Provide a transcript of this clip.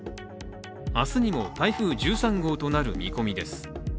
明日にも台風１３号となる見込みです。